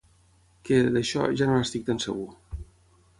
Que, d’això, ja no n’estic tan segur.